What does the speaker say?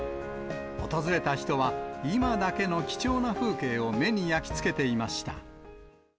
訪れた人は、今だけの貴重な風景を目に焼き付けていました。